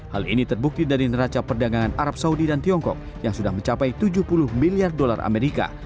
hal ini terbukti dari neraca perdagangan arab saudi dan tiongkok yang sudah mencapai tujuh puluh miliar dolar amerika